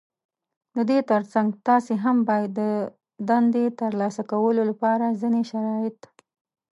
د دې تر څنګ تاسې هم بايد د دندې ترلاسه کولو لپاره ځينې شرايط